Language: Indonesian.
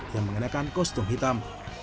yang mengenakan kostum hitam